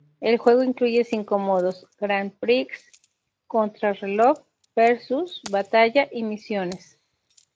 El juego incluye cinco modos —Grand Prix, Contrarreloj, Versus, Batalla y Misiones—.